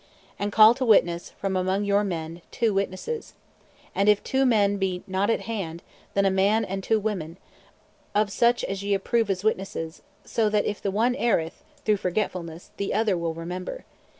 And call to witness, from among your men, two witnesses. And if two men be not (at hand) then a man and two women, of such as ye approve as witnesses, so that if the one erreth (through forgetfulness) the other will remember.